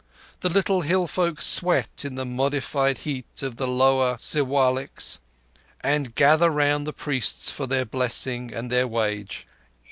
The little hill folk sweat in the modified heat of the lower Siwaliks, and gather round the priests for their blessing and their wage.